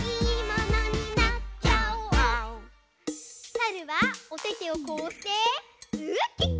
さるはおててをこうしてウッキッキ！